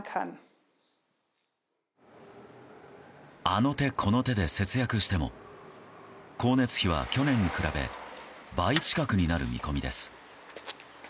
あの手この手で節約しても光熱費は去年に比べ倍近くになる見込みです。